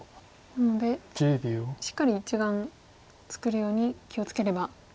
なのでしっかり１眼作るように気を付ければ。